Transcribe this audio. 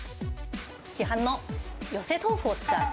市販の寄せ豆腐を使う。